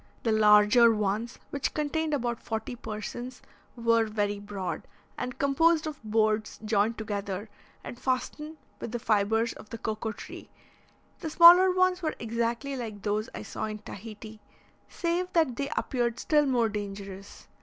The larger ones, which contained about forty persons, were very broad, and composed of boards joined together and fastened with the fibres of the cocoa tree; the smaller ones were exactly like those I saw in Tahiti, save that they appeared still more dangerous.